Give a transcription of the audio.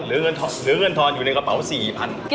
เหลือเงินทอนอยู่ในกระเป๋า๔๐๐บาท